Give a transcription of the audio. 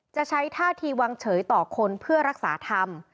จะใช้ท่าทีวางเฉยต่อคนเพื่อรักษาธรรม